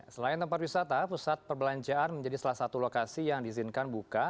selain tempat wisata pusat perbelanjaan menjadi salah satu lokasi yang diizinkan buka